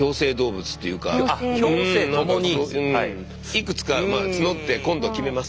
いくつか募って今度決めます。